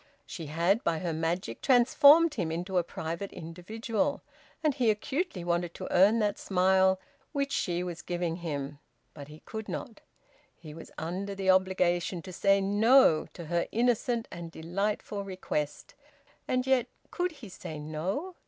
She had by her magic transformed him into a private individual, and he acutely wanted to earn that smile which she was giving him. But he could not. He was under the obligation to say `No' to her innocent and delightful request; and yet could he say `No'?